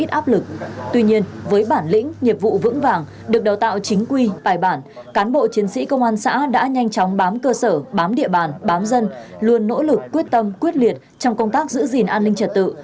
tuy nhiên với bản lĩnh nghiệp vụ vững vàng được đào tạo chính quy bài bản cán bộ chiến sĩ công an xã đã nhanh chóng bám cơ sở bám địa bàn bám dân luôn nỗ lực quyết tâm quyết liệt trong công tác giữ gìn an ninh trật tự